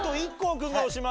君が押しました。